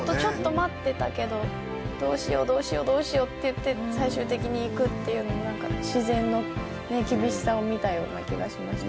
どうしようどうしようどうしようっていって最終的に行くっていうのもなんか自然の厳しさを見たような気がしました。